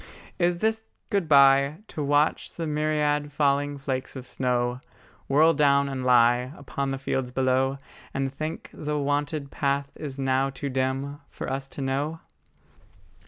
Is this good bye, To watch the myriad falling flakes of snow Whirl down and lie Upon the fields below; And think the wonted path is now too dim For us to know?